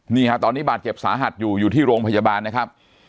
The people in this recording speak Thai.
นี่ฮะตอนนี้บาดเจ็บสาหัสอยู่อยู่ที่โรงพยาบาลนะครับ